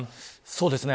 そうですね。